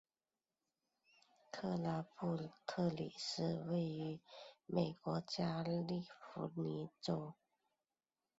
克拉布特里是位于美国加利福尼亚州弗雷斯诺县的一个非建制地区。